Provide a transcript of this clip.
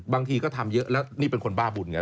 บางทีก็ทำเยอะแล้วนี่เป็นคนบ้าบุญไง